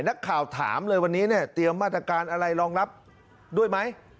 นักข่าวถามเลยวันนี้เนี่ยเตรียมมาตรการอะไรรองรับด้วยไหม